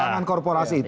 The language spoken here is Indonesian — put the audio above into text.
kurangan korporasi itu